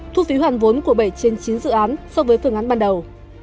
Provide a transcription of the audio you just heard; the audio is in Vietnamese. thu phí hoàn vốn của bảy trên chín dự án so với phương án ban đầu